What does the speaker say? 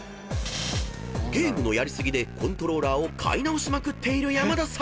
［ゲームのやり過ぎでコントローラーを買い直しまくっている山田さん］